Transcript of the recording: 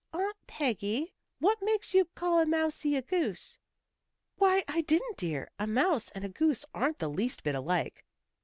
"Aunt Peggy, what makes you call a mousie a goose?" "Why, I didn't, dear. A mouse and a goose aren't the least bit alike."